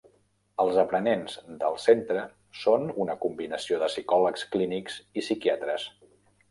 Els aprenents del centre són una combinació de psicòlegs clínics i psiquiatres.